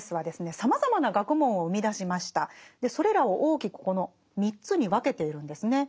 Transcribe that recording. それらを大きくこの３つに分けているんですね。